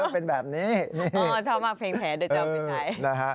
เป็นแบบนี้ชอบมากเพลงแผลเดี๋ยวจะเอาไปใช้นะฮะ